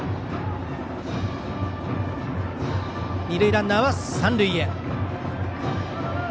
二塁ランナーは三塁へ。